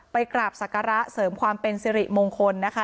ไปกราบศักระเสริมความเป็นสิริมงคลนะคะ